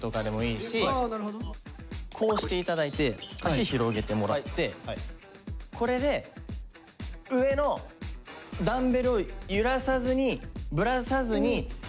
こうしていただいて足広げてもらってこれで上のダンベルを揺らさずにぶらさずにくるぶしをタッチします。